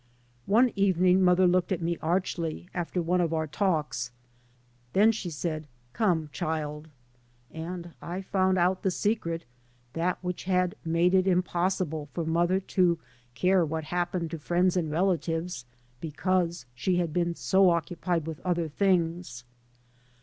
One evening mother looked at me archly after one of our talks. Then she said, " Come, childie." And I found out the secret, that which " had made it impossible " for mother to care " what happened to friends and relatives " because she had been so " occupied with other things."